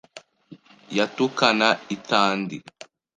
Yatukana i Tandi